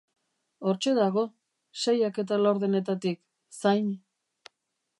Hortxe dago, seiak eta laurdenetatik, zain.